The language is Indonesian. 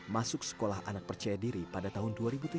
masuk sekolah anak percaya diri pada tahun dua ribu tujuh belas